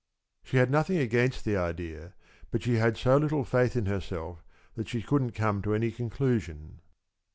She had nothing against the idea, but she had so little faith in herself that she couldn't come to any conclusion.